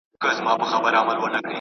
که ډالۍ ورکړو نو دوستي نه ماتیږي.